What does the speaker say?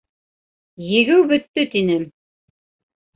Егеү бөттө тинем!